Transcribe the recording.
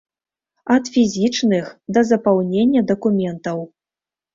Ад фізічных, да запаўнення дакументаў.